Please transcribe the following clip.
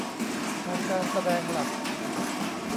อาการแสดงหลัก